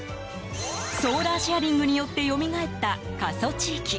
ソーラーシェアリングによってよみがえった過疎地域。